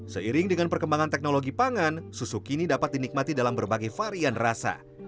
seiring dengan perkembangan teknologi pangan susu kini dapat dinikmati dalam berbagai varian rasa